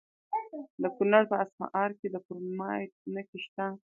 د کونړ په اسمار کې د کرومایټ نښې شته.